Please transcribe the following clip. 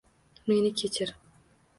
Meni kechir